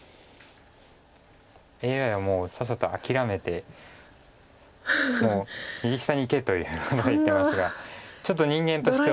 ＡＩはもうさっさと諦めてもう右下にいけというそんなふうに言ってますがちょっと人間としては。